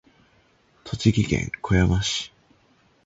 栃木県小山市